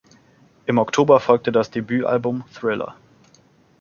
Im Oktober folgte das Debütalbum "Thriller".